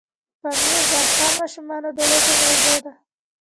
پامیر د افغان ماشومانو د لوبو موضوع ده.